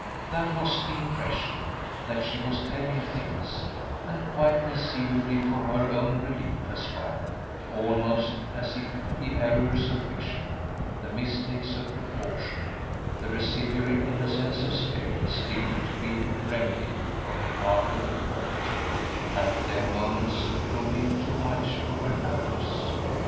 That was the impression that she was telling things, and quite conceivably for her own relief as well; almost as if the errors of vision, the mistakes of proportion, the residuary innocence of spirit still to be remedied on the part of her auditor, had their moments of proving too much for her nerves.